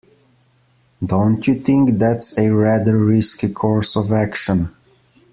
Don't you think that's a rather risky course of action?